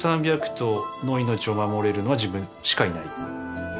３００頭の命を守れるのは自分しかいない。